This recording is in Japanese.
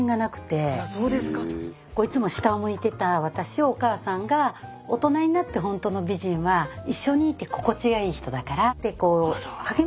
いつも下を向いてた私をお母さんが「大人になってほんとの美人は一緒にいて心地がいい人だから」ってこう励ましてくれて。